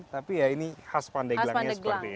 tapi ya ini khas pandeglangnya seperti ini